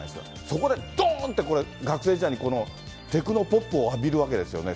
そこでどーんって、これ、学生時代にこのテクノポップを浴びるわけですよね。